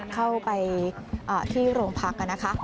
เข้าไปที่โรงพักต์